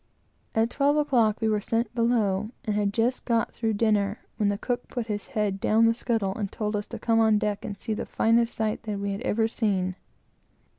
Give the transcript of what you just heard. At twelve o'clock we went below, and had just got through dinner, when the cook put his head down the scuttle and told us to come on deck and see the finest sight that we had ever seen.